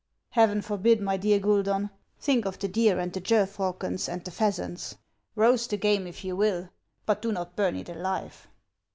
" Heaven forbid, my dear Guidon ! Think of the deer, and the gerfalcons, and the pheasants ! Eoast the game, if you will, but do not burn it alive."